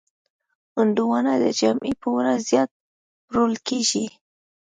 هندوانه د جمعې په ورځ زیات پلورل کېږي.